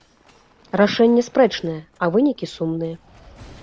Рашэнне спрэчнае, а вынікі сумныя.